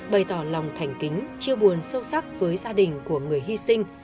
bày tỏ lòng thành kính chia buồn sâu sắc với gia đình của người hy sinh